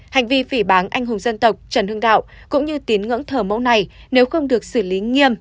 hành vi phỉ bán anh hùng dân tộc trần hưng đạo cũng như tín ngưỡng thờ mẫu này nếu không được xử lý nghiêm